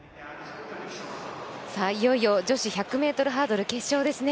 いよいよ女子１００ｍハードル決勝ですね。